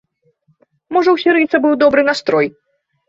Можа ў сірыйца быў добры настрой.